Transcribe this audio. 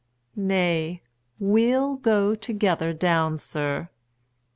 Nay, we'll go Together down, sir.